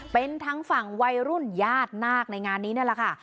เป็นทั้งฝั่งวัยรุ่นญาตินาคในงานนี้นั่นแหละค่ะ